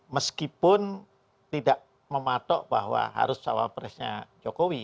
meskipun tidak mematok bahwa harus cawa presnya jokowi